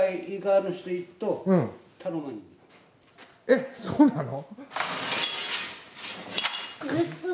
えっそうなの？